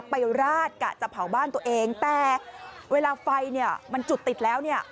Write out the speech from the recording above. ราดกะจะเผาบ้านตัวเองแต่เวลาไฟเนี่ยมันจุดติดแล้วเนี่ย